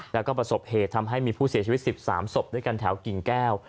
แล้วก็ประสบเหตุทำให้มีผู้เสียชีวิต๑๓ศพด้วยกันแถวกิ่งแก้ว